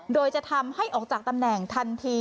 โดยจะทำให้ออกจากตำแหน่งทันที